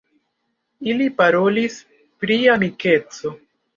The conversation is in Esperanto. Ili parolis pri amikeco.